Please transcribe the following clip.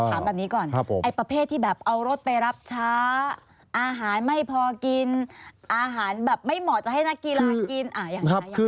ถามแบบนี้ก่อนไอ้ประเภทที่แบบเอารถไปรับช้าอาหารไม่พอกินอาหารแบบไม่เหมาะจะให้นักกีฬากินยังไง